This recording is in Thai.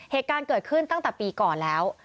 เหตุการณ์เกิดขึ้นตั้งแต่ปีก่อนแล้ว